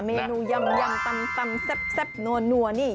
เมนูยำตำแซ่บนัวนี่